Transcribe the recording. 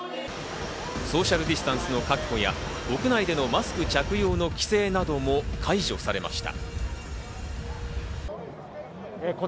ソーシャルディスタンスの確保や、屋内でのマスク着用の規制なども解除されました。